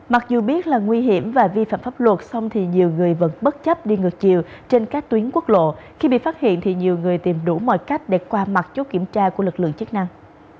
mặc dù biết là nguy hiểm và vi phạm pháp luật xong thì nhiều người vẫn bất chấp đi ngược chiều trên các tuyến quốc lộ khi bị phát hiện thì nhiều người tìm đủ mọi cách để qua mặt chút kiểm tra của lực lượng chức năng